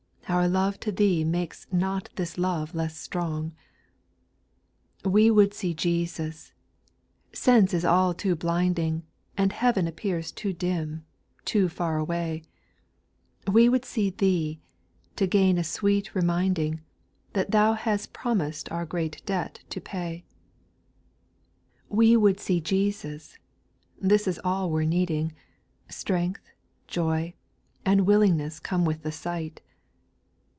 — Our love to Thee makes not this love less strong. 6. " We would see Jesus "— sense is all too blinding, And heaven appears too dim — too far away; We would see Thee, to gain a sweet remind ing, That Thou has promised our great debt to pay 7. "We would see Jesus" — this is all we're needing, — Strength, joy, and willingness come with the sight